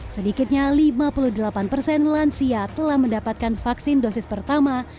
sedikitnya lima puluh delapan persen lansia telah mendapatkan vaksin dosis pertama